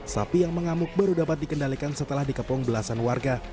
sapi yang mengamuk baru dapat dikendalikan setelah dikepung belasan warga